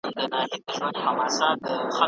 انټرنیټ د ښوونې او روزنې بهیر ګړندی کوي.